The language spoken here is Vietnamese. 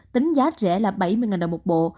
tính giá rẻ là bảy mươi đồng một bộ